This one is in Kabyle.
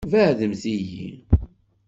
Beɛɛdemt-iyi.